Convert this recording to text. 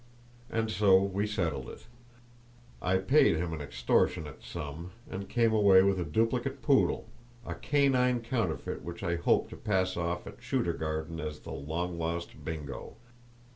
And so we settled it. I paid him an extortionate sum, and came away with a duplicate poodle, a canine counterfeit, which I hoped to pass off at Shuturgarden as the long lost Bingo.